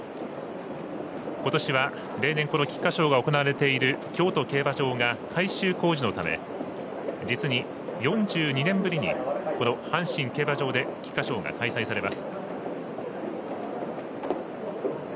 ことしは例年この菊花賞が行われている京都競馬場が改修工事のため実に４２年ぶりに阪神競馬場で菊花賞が開催されます。